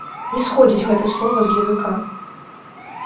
Не сходзіць гэта слова з языка.